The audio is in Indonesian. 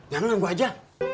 jangan gue aja